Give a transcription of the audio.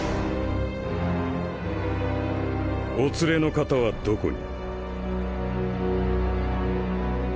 お連れの方はどこに？